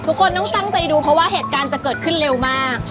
ทุกคนต้องตั้งใจดูเพราะว่าเหตุการณ์จะเกิดขึ้นเร็วมาก